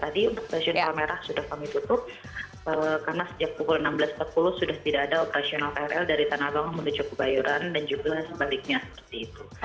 tadi untuk stasiun palmerah sudah kami tutup karena sejak pukul enam belas empat puluh sudah tidak ada operasional krl dari tanah abang menuju kebayoran dan juga sebaliknya seperti itu